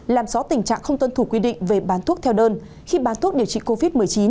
làm rõ tình trạng không tuân thủ quy định về bán thuốc theo đơn khi bán thuốc điều trị covid một mươi chín